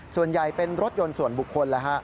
ส่วนใหญ่เป็นรถยนต์ส่วนบุคคลแล้วฮะ